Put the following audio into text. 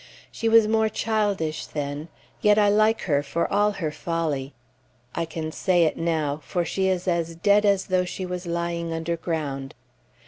She was more childish then yet I like her for all her folly; I can say it now, for she is as dead as though she was lying underground.